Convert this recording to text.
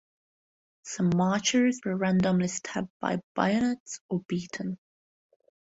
Some marchers were randomly stabbed by bayonets or beaten.